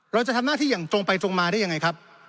เราจะทำหน้าที่อย่างตรงไปตรงมาได้ยังไงครับ